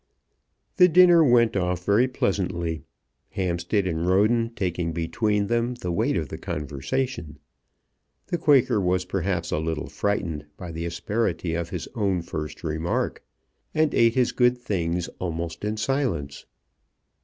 The dinner went off very pleasantly, Hampstead and Roden taking between them the weight of the conversation. The Quaker was perhaps a little frightened by the asperity of his own first remark, and ate his good things almost in silence.